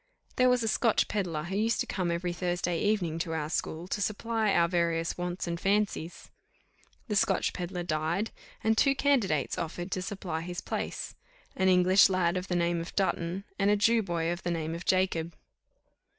There was a Scotch pedlar, who used to come every Thursday evening to our school to supply our various wants and fancies. The Scotch pedlar died, and two candidates offered to supply his place, an English lad of the name of Dutton, and a Jew boy of the name of Jacob.